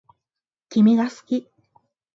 君が好き